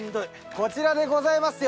こちらでございますよ。